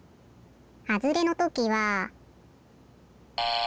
はずれのときは。